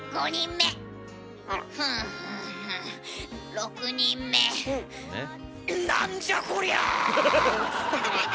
６人目なんじゃこりゃ！